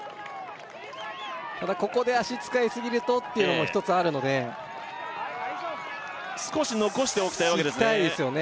ただここで足使いすぎるとっていうのも一つあるので少し残しておきたいわけですねしたいですよね